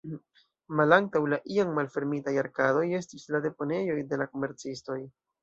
Malantaŭ la iam malfermitaj arkadoj estis la deponejoj de la komercistoj.